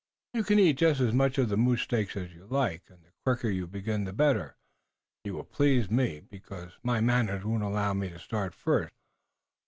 "You can eat just as much of the moose steak as you like, and the quicker you begin the better you will please me, because my manners won't allow me to start first.